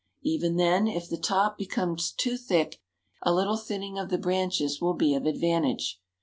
Even then, if the top become too thick, a little thinning of the branches will be of advantage.